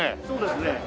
そうですね。